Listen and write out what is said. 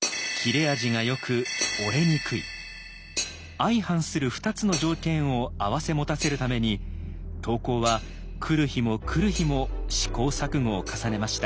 相反する２つの条件を併せ持たせるために刀工は来る日も来る日も試行錯誤を重ねました。